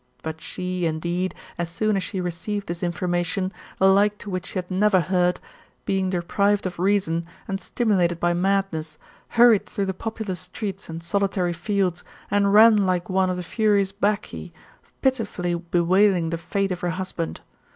But she, indeed, as soon as she received this information, the like to which she had never heard, being deprived of reason, and stimulated by madness, hurried through the populous streets and soHtary fields, and ran like one of the furious Bacchae, pitifully bewailing the fate of her husband.